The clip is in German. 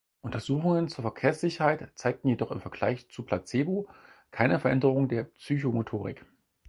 Untersuchungen zur Verkehrssicherheit zeigten jedoch im Vergleich zu Placebo keine Veränderungen der Psychomotorik.